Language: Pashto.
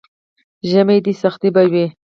ژمی دی، سخته به وي.